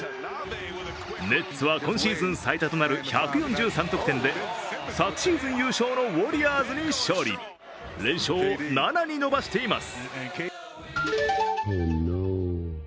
ネッツは今シーズン最多となる１４３得点で昨シーズン優勝のウォリアーズに勝利、連勝を７に伸ばしています。